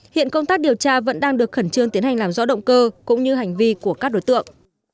hiện công tác điều tra vẫn đang được khẩn trương tiến hành làm rõ động cơ cũng như hành vi của các đối tượng